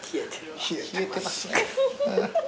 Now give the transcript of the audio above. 冷えてます。